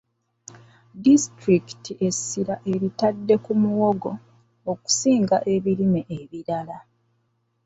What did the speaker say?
Disitulikiti essira eritadde ku muwogo okusinga ebirime ebirala.